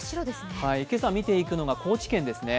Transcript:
今朝、見ていくのが高知県ですね